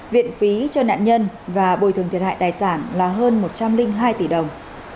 viện phí cho nạn nhân và bồi thường thiệt hại tài sản là hơn một trăm linh hai tỷ đồng